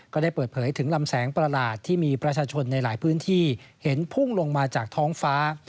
ก็ได้เปิดเผยถึงลำแสงประหลาดที่มีประชาชนในหลายพื้นที่เห็นพุ่งลงมาจากท้องฟ้า